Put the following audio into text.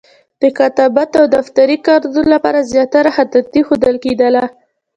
د کتابت او دفتري کارونو لپاره زیاتره خطاطي ښودل کېدله.